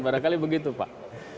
barangkali begitu pak